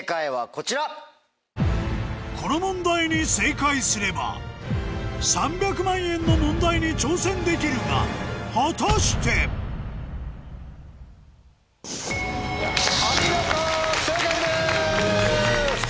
この問題に正解すれば３００万円の問題に挑戦できるが果たして⁉よし！